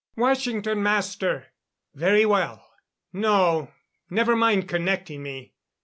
"Washington, Master." "Very well.... No, never mind connecting me.